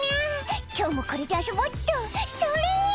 「今日もこれで遊ぼっとそれ」